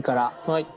はい。